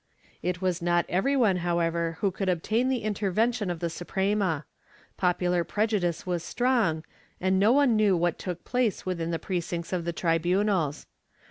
It was not everyone however who could obtain the intervention of the Suprema; pop ular prejudice was strong, and no one knew what took place within the precincts of the tribunals.